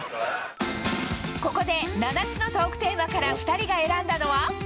ここで、７つのトークテーマから２人が選んだのは。